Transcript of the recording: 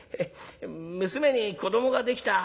娘に子どもができた。